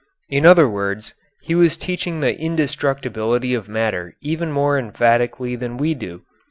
In other words, he was teaching the indestructibility of matter even more emphatically than we do.